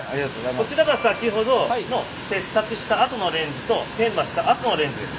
こちらが先ほどの切削したあとのレンズと研磨したあとのレンズです。